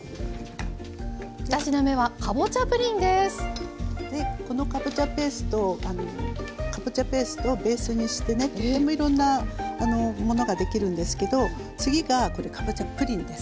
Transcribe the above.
２品目はこのかぼちゃペーストをベースにしてねとてもいろんなものができるんですけど次がこれかぼちゃプリンです。